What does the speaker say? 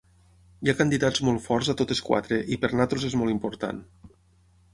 Hi ha candidats molt forts a totes quatre i per nosaltres és molt important.